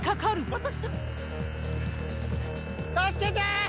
助けて！